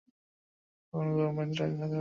কখনোই গরম পানিতে রাখা যাবে না।